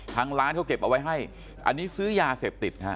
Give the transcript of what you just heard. ทางร้านเขาเก็บเอาไว้ให้อันนี้ซื้อยาเสพติดฮะ